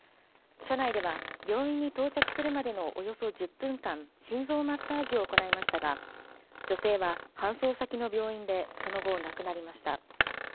車内では、病院に到着するまでのおよそ１０分間、心臓マッサージを行いましたが、女性は搬送先の病院でその後、亡くなりました。